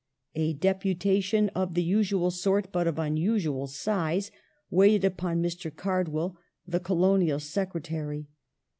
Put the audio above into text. A deputation of the usual sort, but of unusual size, waited upon Mi*. Cardwell, the Colonial Secretary.